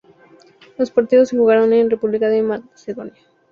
Los partidos se jugaron en República de Macedonia.